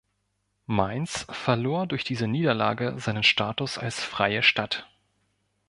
Mainz verlor durch diese Niederlage seinen Status als Freie Stadt.